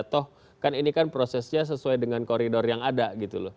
toh kan ini kan prosesnya sesuai dengan koridor yang ada gitu loh